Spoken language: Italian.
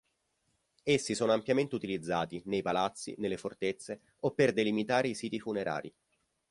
Essi sono ampiamente utilizzati, nei palazzi, nelle fortezze, o per delimitare i siti funerari.